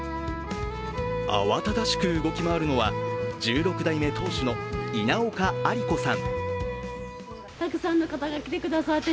慌ただしく動き回るのは１６代目当主の稲岡亜里子さん。